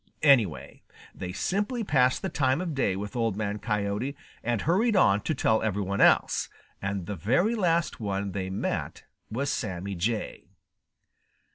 Anyway, they simply passed the time of day with Old Man Coyote and hurried on to tell every one else, and the very last one they met was Sammy Jay.